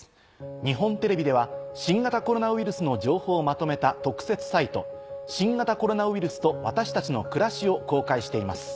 日本テレビでは新型コロナウイルスの情報をまとめた特設サイト。を公開しています。